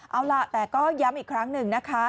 เอาล่ะแต่ก็ย้ำอีกครั้งหนึ่งนะคะ